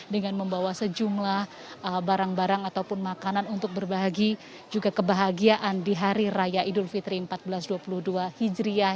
dengan membawa sejumlah barang barang ataupun makanan untuk berbagi juga kebahagiaan di hari raya idul fitri seribu empat ratus dua puluh dua hijriah